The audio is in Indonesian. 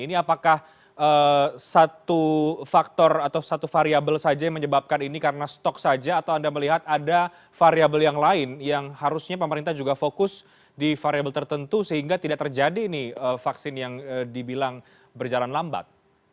ini apakah satu faktor atau satu variabel saja yang menyebabkan ini karena stok saja atau anda melihat ada variabel yang lain yang harusnya pemerintah juga fokus di variable tertentu sehingga tidak terjadi vaksin yang dibilang berjalan lambat